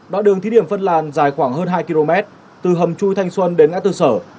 đoạn đường thí điểm phân làn dài khoảng hơn hai km từ hầm chui thanh xuân đến ngã tư sở